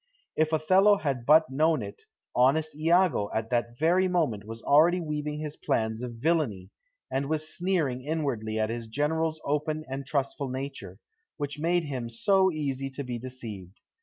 If Othello had but known it, "honest Iago" at that very moment was already weaving his plans of villainy, and was sneering inwardly at his General's open and trustful nature, which made him so easy to be deceived.